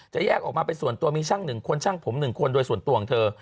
แยกออกมาเป็นส่วนตัวมีช่าง๑คนช่างผม๑คนโดยส่วนตัวของเธอ